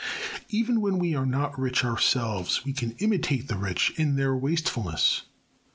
Even when we are not rich ourselves we can imitate the rich in their wastefulness.